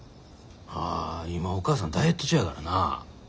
あ今おかあさんダイエット中やからな。